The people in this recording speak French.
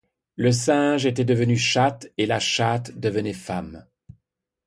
Le singe était devenu chatte, et la chatte devenait femme.